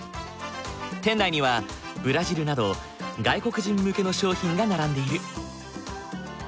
店内にはブラジルなど外国人向けの商品が並んでいる。